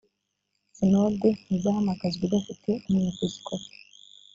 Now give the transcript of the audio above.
sinode ntizahamagazwa idafite umwepisikopi